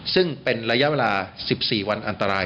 ซึ่งเป็นระยะเวลา๑๔วันอันตราย